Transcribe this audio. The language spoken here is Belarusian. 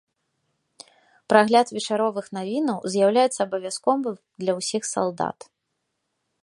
Прагляд вечаровых навінаў з'яўляецца абавязковым для ўсіх салдат.